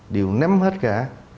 đều nắm hết cả